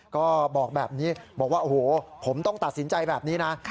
ก็บอกแบบนี้บอกว่าโอ้โหผมต้องตัดสินใจแบบนี้นะ